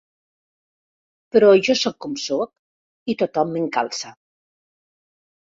Però jo sóc com sóc i tothom m'encalça.